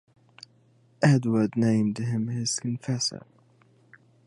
Edward named him his confessor.